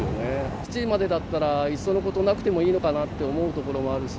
７時までだったら、いっそのことなくてもいいのかなと思うところもあるし。